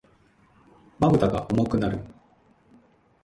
瞼が重くなる。